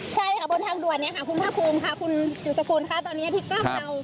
ใช่ค่ะบนทางด่วนเนี่ยค่ะคุณภาคภูมิค่ะคุณอยู่สกุลค่ะตอนนี้ที่กล้องเรา